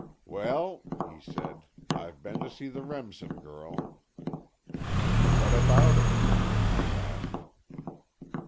"Well," he said, "I've been to see the Remsen girl." "What about her?" Kee asked.